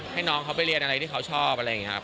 ให้น้องเขาไปเรียนอะไรที่เขาชอบอะไรอย่างนี้ครับ